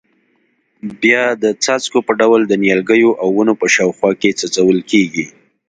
بیا د څاڅکو په ډول د نیالګیو او ونو په شاوخوا کې څڅول کېږي.